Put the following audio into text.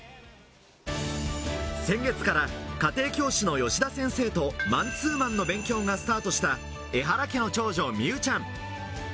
先月から家庭教師の吉田先生とマンツーマンの勉強がスタートしたエハラ家の長女・美羽ちゃん。